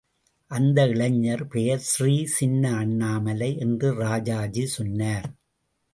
அந்த இளைஞர் பெயர் ஸ்ரீ சின்ன அண்ணாமலை என்று ராஜாஜி சொன்னார்.